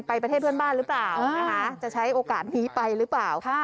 ประเทศเพื่อนบ้านหรือเปล่านะคะจะใช้โอกาสนี้ไปหรือเปล่า